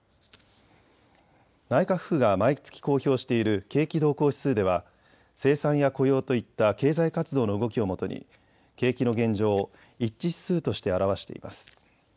内閣府が毎月公表している景気動向指数では生産や雇用といった経済活動の動きをもとに景気の現状を一致指数として表しています。